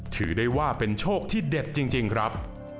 ถือได้ว่าเป็นโชคที่เด็ดจริงครับ